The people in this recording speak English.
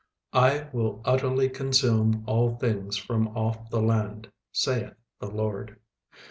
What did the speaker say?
36:001:002 I will utterly consume all things from off the land, saith the LORD.